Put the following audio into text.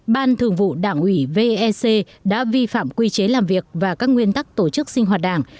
ban thường vụ đảng ủy vec đã vi phạm quy chế làm việc và các nguyên tắc tổ chức sinh hoạt đảng